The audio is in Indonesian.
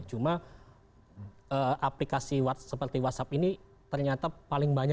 cuma aplikasi seperti whatsapp ini ternyata paling banyak juga di pasangannya